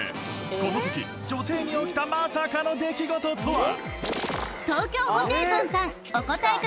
この時女性に起きたまさかの出来事とは？